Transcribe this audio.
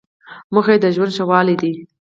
موخه یې د ژوند ښه والی دی.